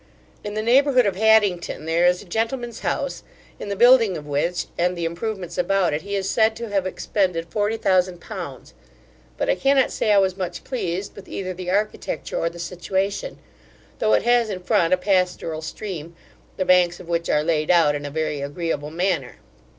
In the neighbourhood of Haddington, there is a gentleman's house, in the building of which, and the improvements about it, he is said to have expended forty thousand pounds: but I cannot say I was much pleased with either the architecture or the situation; though it has in front a pastoral stream, the banks of which are laid out in a very agreeable manner.